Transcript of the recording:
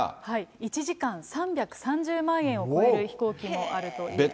１時間３３０万円を超える飛行機もあるということです。